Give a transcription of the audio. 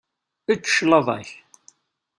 Ečč claḍa-k.